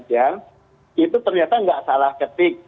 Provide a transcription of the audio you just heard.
itu ternyata nggak salah ketik